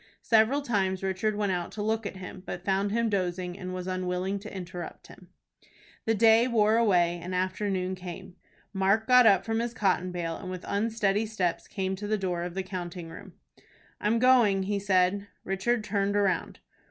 Several times Richard went out to look at him, but found him dozing, and was unwilling to interrupt him. The day wore away, and afternoon came. Mark got up from his cotton bale, and with unsteady steps came to the door of the counting room. "I'm going," he said. Richard turned round.